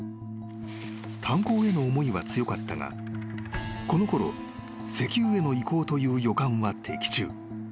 ［炭鉱への思いは強かったがこのころ石油への移行という予感は的中］